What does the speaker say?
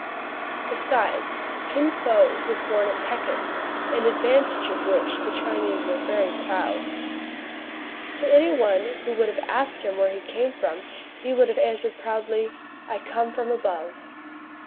Besides, Kin Fo was born at Pekin, an advan tage of which the Chinese are very proud. To 1 6 TRIBULATIONS OF A CHINAMAN, any one who would have asked him where he came from, he would have answered proudly, " I come from above."